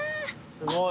すごい。